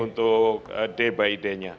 untuk day by day nya